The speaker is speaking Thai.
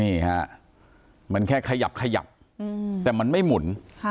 นี่ค่ะมันแค่ขยับแต่มันไม่หมุน